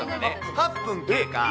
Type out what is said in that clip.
８分経過。